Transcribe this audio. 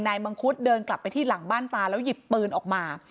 มังคุดเดินกลับไปที่หลังบ้านตาแล้วหยิบปืนออกมา